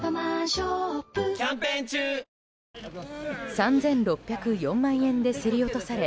３６０４万円で競り落とされ